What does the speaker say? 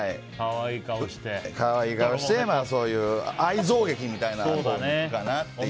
可愛い顔して、そういう愛憎劇みたいなのかなって。